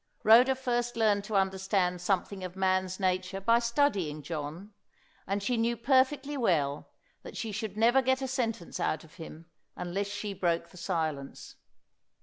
Rhoda first learned to understand something of man's nature by studying John, and she knew perfectly well that she should never get a sentence out of him unless she broke the silence.